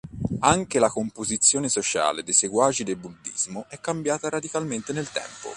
Anche la composizione sociale dei seguaci del buddismo è cambiata radicalmente nel tempo.